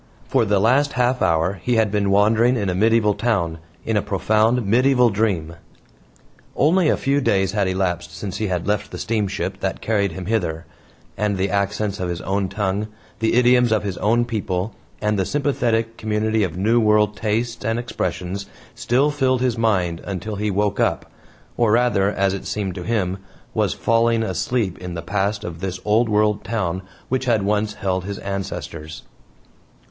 For the last half hour he had been wandering in a medieval town, in a profound medieval dream. Only a few days had elapsed since he had left the steamship that carried him hither; and the accents of his own tongue, the idioms of his own people, and the sympathetic community of New World tastes and expressions still filled his mind until he woke up, or rather, as it seemed to him, was falling asleep in the past of this Old World town which had once held his ancestors.